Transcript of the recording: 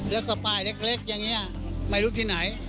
แล้วก็ป้ายเล็กอย่างนี้ไม่รู้ที่ไหน